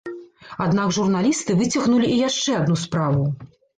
Аднак журналісты выцягнулі і яшчэ адну справу.